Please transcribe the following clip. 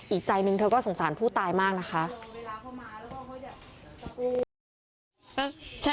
อีกใจหนึ่งเธอก็สงสารผู้ตายมากนะคะ